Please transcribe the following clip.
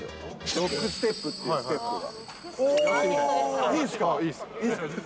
ロックステップっていうステップが。